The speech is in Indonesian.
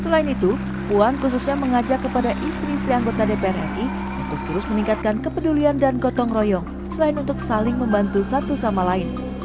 selain itu puan khususnya mengajak kepada istri istri anggota dpr ri untuk terus meningkatkan kepedulian dan gotong royong selain untuk saling membantu satu sama lain